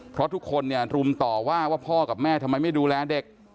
เพราะทุกคนเนี่ยรุมต่อว่าว่าพ่อกับแม่ทำไมไม่ดูแลเด็ก